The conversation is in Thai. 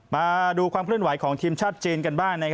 มาดูความเคลื่อนไหวของทีมชาติจีนกันบ้าง